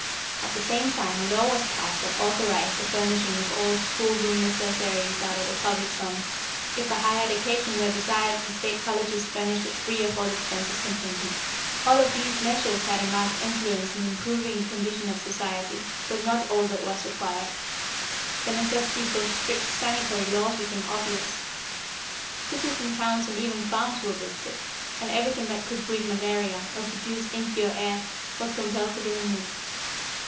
At the same time a law was passed that authorized the furnishing of all school room necessaries out of the public funds. If a higher education were desired the State Colleges furnished it free of all expenses contingent. "All of these measures had a marked influence in improving the condition of society, but not all that was required. The necessity for strict sanitary laws became obvious. Cities and towns and even farms were visited, and everything that could breed malaria, or produce impure air, was compelled to be removed.